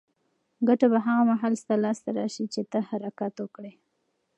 ګټه به هغه مهال ستا لاس ته راشي چې ته حرکت وکړې.